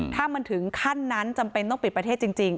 ถ้ามันถึงขั้นนั้นจำเป็นต้องปิดประเทศจริง